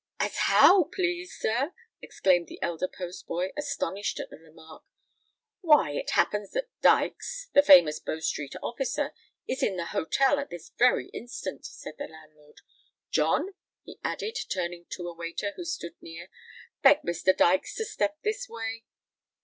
"As how, please, sir?" exclaimed the elder postboy, astonished at the remark. "Why—it happens that Dykes, the famous Bow Street officer, is in the hotel at this very instant," said the landlord. "John," he added, turning to a waiter who stood near, "beg Mr. Dykes to step this way."